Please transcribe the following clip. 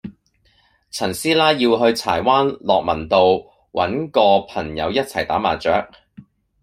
陳師奶要去柴灣樂民道搵個朋友一齊打麻雀